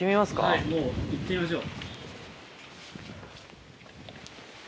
はい行ってみましょう。